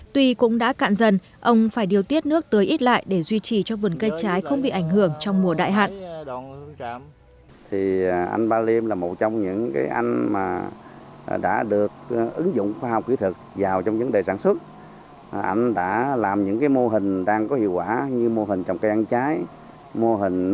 tuy cũng đã cạn dần ông phải điều tiết nước tới ít lại để duy trì cho vườn cây trái không bị ảnh hưởng trong mùa đại hạn